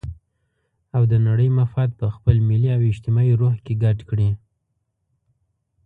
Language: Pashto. او د نړۍ مفاد په خپل ملي او اجتماعي روح کې ګډ کړي.